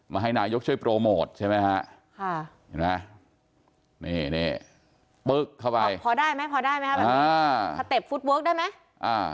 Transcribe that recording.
มาให้นายกช่วยโปรโมทใช่ไหมครับพอได้ไหมพอได้ไหมครับถ้าเต็บฟุตเวิร์กได้ไหม